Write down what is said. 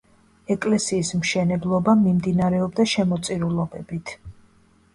ეკლესიის მშენებლობა მიმდინარეობდა შემოწირულობებით.